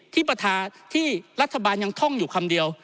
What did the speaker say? ที่รัฐบาลยังท่องอยู่คำเดียว